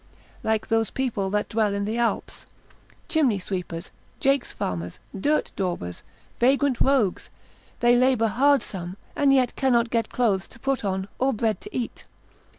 like those people that dwell in the Alps, chimney sweepers, jakes farmers, dirt daubers, vagrant rogues, they labour hard some, and yet cannot get clothes to put on, or bread to eat.